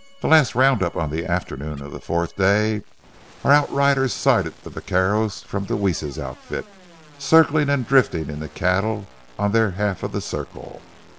The last round up on the afternoon of the fourth day, our outriders sighted the vaqueros from Deweese's outfit, circling and drifting in the cattle on their half of the circle.